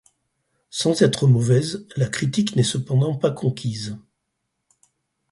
Sans être mauvaise, la critique n'est cependant pas conquise.